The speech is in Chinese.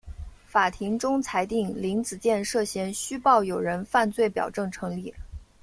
法庭终裁定林子健涉嫌虚报有人犯罪表证成立。